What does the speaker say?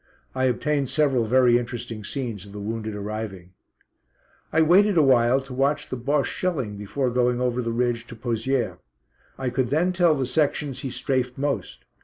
I obtained several very interesting scenes of the wounded arriving. I waited awhile to watch the Bosche shelling before going over the ridge to Pozières. I could then tell the sections he "strafed" most.